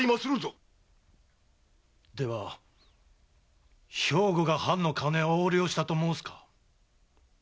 では兵庫が藩の金を横領したと申すか？